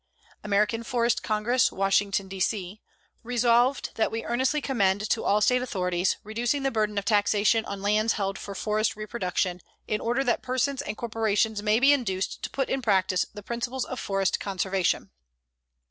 AMERICAN FOREST CONGRESS, Washington, D. C.: Resolved, That we earnestly commend to all state authorities... reducing the burden of taxation on lands held for forest reproduction in order that persons and corporations may be induced to put in practice the principles of forest conservation.